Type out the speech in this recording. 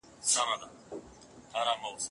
زه دين زده کوم.